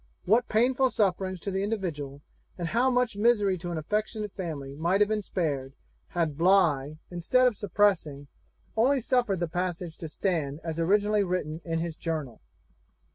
What painful sufferings to the individual, and how much misery to an affectionate family might have been spared, had Bligh, instead of suppressing, only suffered the passage to stand as originally written in his journal!